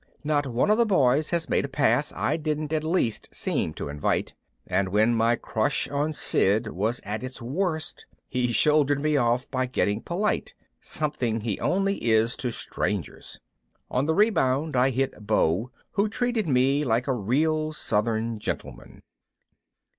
Not one of the boys has made a pass I didn't at least seem to invite. And when my crush on Sid was at its worst he shouldered me off by getting polite something he only is to strangers. On the rebound I hit Beau, who treated me like a real Southern gentleman.